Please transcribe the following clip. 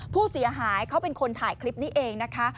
ผู้เสียหายเขาเป็นคนถ่ายคลิปนี้เองนะคะ